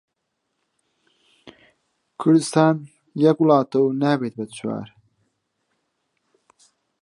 کوردستان وڵاتێکە و نابێتە چوار